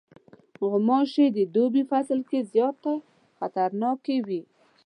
غوماشې د دوبی فصل کې زیاته خطرناکې وي.